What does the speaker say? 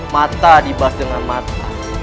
mata dibalas dengan mata